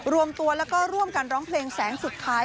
รวมตัวแล้วก็ร่วมกันร้องเพลงแสงสุดท้าย